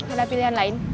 ada pilihan lain